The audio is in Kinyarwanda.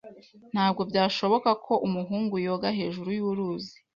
Ntabwo byashobokaga ko umuhungu yoga hejuru yuruzi.